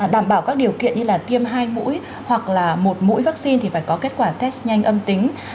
đảm bảo các điều kiện như là tiêm hai mũi hoặc là một mũi vaccine thì phải có kết quả test nhanh âm tính